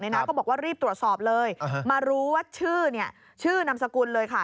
คุณผู้ชมก็รีบตรวจสอบเลยมารู้ว่าชื่อนำสกุลเลยค่ะ